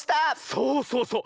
そうそうそう。